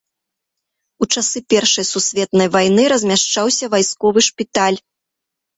У часы першай сусветнай вайны размяшчаўся вайсковы шпіталь.